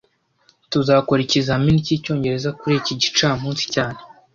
Tuzakora ikizamini cyicyongereza kuri iki gicamunsi cyane